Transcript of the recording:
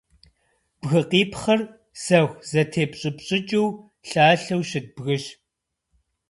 Бгыкъипхъыр сэху зэтепщӏыпщӏыкӏыу, лъалъэу щыт бгыщ.